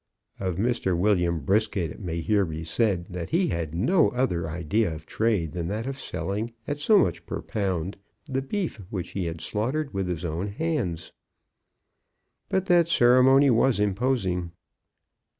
Of Mr. William Brisket, it may here be said, that he had no other idea of trade than that of selling at so much per pound the beef which he had slaughtered with his own hands. But that ceremony was imposing.